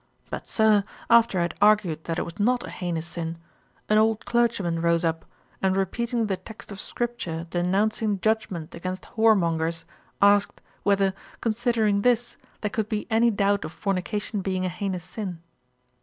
'But, Sir, after I had argued that it was not an heinous sin, an old clergyman rose up, and repeating the text of scripture denouncing judgement against whoremongers, asked, whether, considering this, there could be any doubt of fornication being a heinous sin.'